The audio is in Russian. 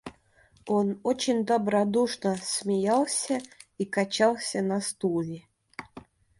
Он очень добродушно смеялся и качался на стуле.